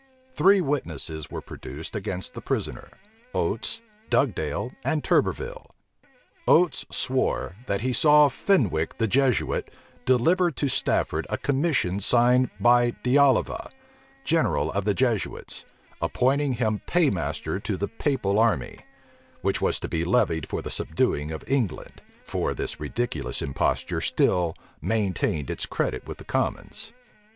Three witnesses were produced against the prisoner; Oates, Dugdale, and Turberville. Oates swore, that he saw Fenwick the Jesuit, deliver to Stafford a commission signed by De Oliva, general of the Jesuits, appointing him paymaster to the Papal army, which was to be levied for the subduing of England; for this ridiculous imposture still maintained its credit with the commons.